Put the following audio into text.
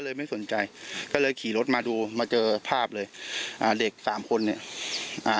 ไม่สนใจก็เลยขี่รถมาดูมาเจอภาพเลยอ่าเด็กสามคนเนี่ยอ่า